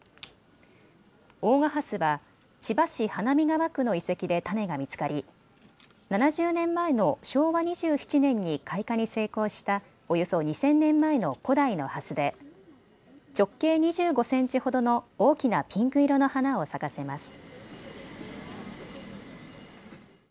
大賀ハスは千葉市花見川区の遺跡で種が見つかり７０年前の昭和２７年に開花に成功したおよそ２０００年前の古代のハスで直径２５センチほどの大きなピンク色の花を咲かせます。